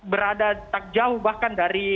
berada tak jauh bahkan dari